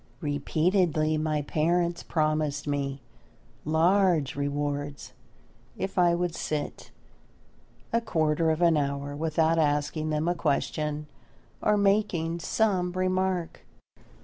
Repeatedly my parents promised me large rewards if I would sit a quarter of an hour without asking them a question or making some remark.